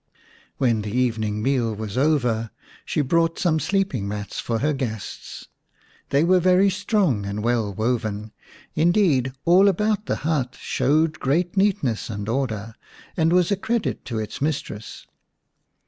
When the evening meal was over, she brought some sleeping mats for her guests ; they were very strong and well woven, indeed all about the hut showed great neatness and order, and was a credit to its mistress.